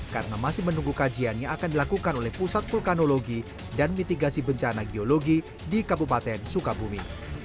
karena masih menunggu kajian yang akan dilakukan oleh pusat vulkanologi dan mitigasi bencana geologi di kabupaten sukabumi